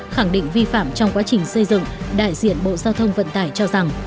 khẳng định vi phạm trong quá trình xây dựng đại diện bộ giao thông vận tải cho rằng